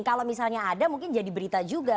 kalau misalnya ada mungkin jadi berita juga